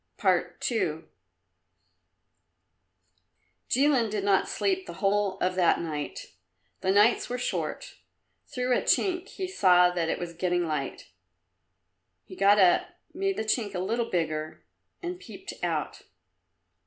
II Jilin did not sleep the whole of that night. The nights were short. Through a chink he saw that it was getting light. He got up, made the chink a little bigger and peeped out.